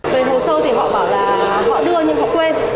về hồ sơ thì họ bảo là họ đưa nhưng họ quên